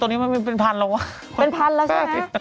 เป็นพันแล้วใช่ไหมแองจี้บอกว่าคนส่งเข้ามาเป็นพันแล้วเป็นพันแล้วใช่ไหม